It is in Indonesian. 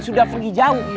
sudah pergi jauh